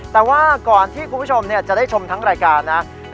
แต่ว่าก่อนที่คุณผู้ชมจะได้ชมทั้งรายการนะ